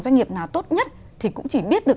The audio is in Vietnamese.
doanh nghiệp nào tốt nhất thì cũng chỉ biết được